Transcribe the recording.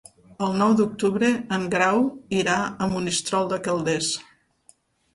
El nou d'octubre en Grau irà a Monistrol de Calders.